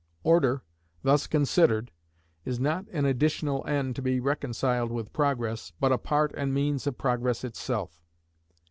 Order, thus considered, is not an additional end to be reconciled with Progress, but a part and means of Progress itself.